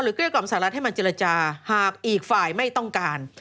เกลี้กล่อมสหรัฐให้มาเจรจาหากอีกฝ่ายไม่ต้องการ